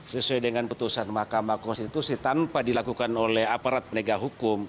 sesuai dengan putusan mahkamah konstitusi tanpa dilakukan oleh aparat penegak hukum